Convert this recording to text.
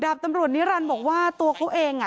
ดาบตำรวจนิรันทร์บอกว่าตัวเค้าเอง